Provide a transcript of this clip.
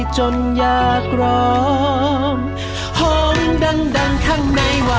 จันทร์มงมงลงมงลง